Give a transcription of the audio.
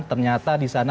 ternyata di sana